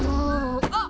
あっ！